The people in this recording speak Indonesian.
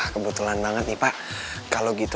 kebetulan banget nih pak kalau gitu